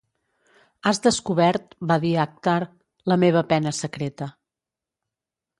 "Has descobert", va dir Akhtar, "la meva pena secreta".